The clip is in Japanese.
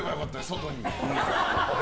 外に。